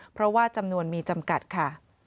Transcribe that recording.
เพราะว่าจำนวนมีจำกัดค่ะ